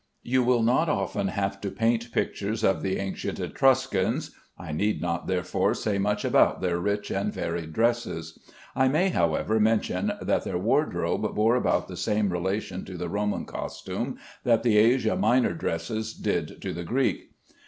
You will not often have to paint pictures of the ancient Etruscans. I need not therefore say much about their rich and varied dresses. I may, however, mention that their wardrobe bore about the same relation to the Roman costume that the Asia Minor dresses did to the Greek.